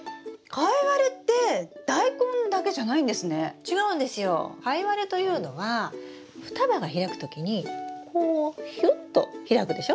カイワレというのは双葉が開く時にこうヒュッと開くでしょ？